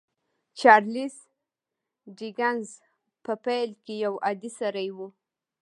چارليس ډيکنز په پيل کې يو عادي سړی و.